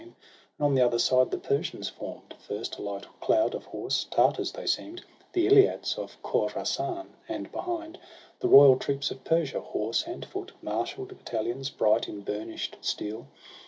And on the other side the Persians form'd; First a light cloud of horse, Tartars they seem'd, The Ilyats of Khorassan; and behind, The royal troops of Persia, horse and foot, Marshall'd battahons bright in burnish'd steel.